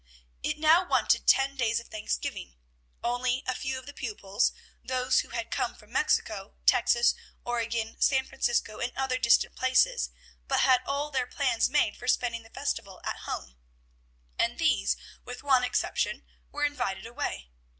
It now wanted ten days of Thanksgiving. Only a few of the pupils, those who had come from Mexico, Texas, Oregon, San Francisco, and other distant places, but had all their plans made for spending the festival at home; and these, with one exception, were invited away.